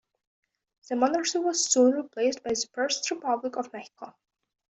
The monarchy was soon replaced by the First Republic of Mexico.